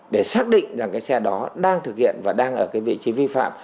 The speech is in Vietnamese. để xác định rằng cái xe đó đang thực hiện và đang ở cái vị trí vi phạm